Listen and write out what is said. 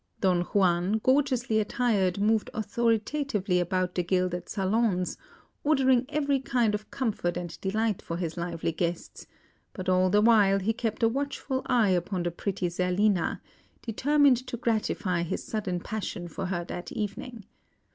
Don Juan, gorgeously attired, moved authoritatively about the gilded salons, ordering every kind of comfort and delight for his lively guests; but all the while he kept a watchful eye upon the pretty Zerlina, determined to gratify his sudden passion for her that evening.